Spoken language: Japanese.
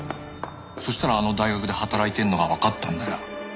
そしたらあの大学で働いてるのがわかったんだよ。